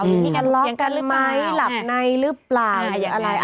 มีการล็อกกันไหมหลับในหรือเปล่าหรืออะไร